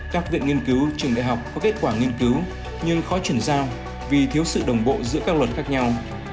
các viện nghiên cứu trường đại học có kết quả nghiên cứu nhưng khó chuyển giao vì thiếu sự đồng bộ giữa các luật khác nhau